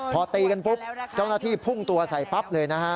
พอตีกันปุ๊บเจ้าหน้าที่พุ่งตัวใส่ปั๊บเลยนะฮะ